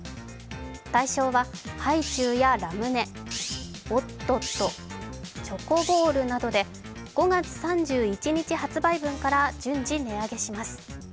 対象はハイチュウやラムネ、おっとっと、チョコボールなどで５月３１日発売分から順次値上げします。